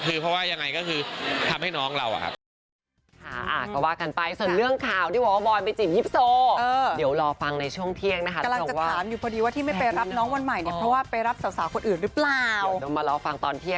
คือเพราะว่ายังไงก็คือทำให้น้องเราอะครับ